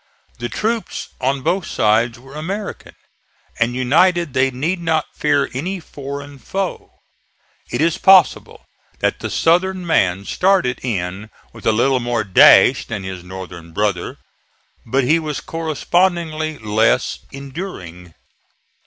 The troops on both sides were American, and united they need not fear any foreign foe. It is possible that the Southern man started in with a little more dash than his Northern brother; but he was correspondingly less enduring.